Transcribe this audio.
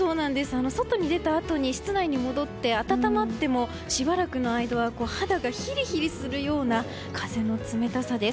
外に出たあとに室内に戻って温まっても、しばらくの間は肌がヒリヒリするような風の冷たさです。